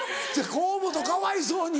河本かわいそうに。